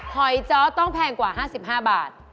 หอยเจาะต้องแพงกว่า๕๕บาท